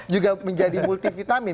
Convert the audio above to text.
juga menjadi multi vitamin